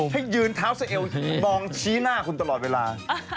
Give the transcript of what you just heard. ให้ยืนเท้าซะเอวมองชี้หน้าคุณตลอดเวลา